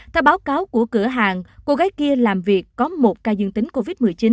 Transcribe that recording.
theo báo cáo của cửa hàng cô gái kia làm việc có một ca dương tính covid một mươi chín